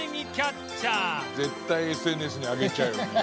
「絶対ＳＮＳに上げちゃうよね」